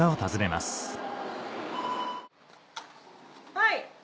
はい。